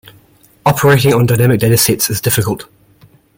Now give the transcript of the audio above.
Operating on dynamic data sets is difficult.